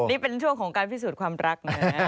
นี่เป็นช่วงของการพิสูจน์ความรักนะ